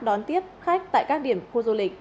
đón tiếp khách tại các điểm khu du lịch